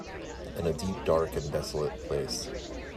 In a deep, dark and desolate place.